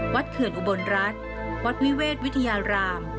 เขื่อนอุบลรัฐวัดวิเวศวิทยาราม